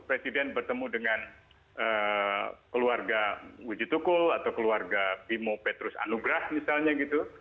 presiden bertemu dengan keluarga wuji tukul atau keluarga bimo petrus anugrah misalnya gitu